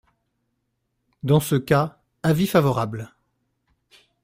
Dans ce cas, avis favorable.